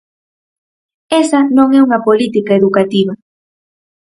Esa non é unha política educativa.